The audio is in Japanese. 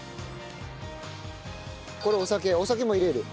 これお酒お酒も入れる？